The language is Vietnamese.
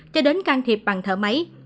cho đến can thiệp bằng thở máy